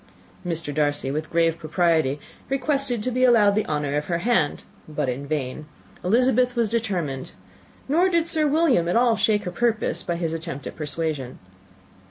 Mr. Darcy, with grave propriety, requested to be allowed the honour of her hand, but in vain. Elizabeth was determined; nor did Sir William at all shake her purpose by his attempt at persuasion.